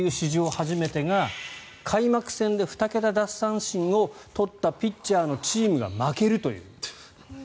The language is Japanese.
初めてが開幕戦で２桁奪三振を取ったピッチャーのチームが負けるという。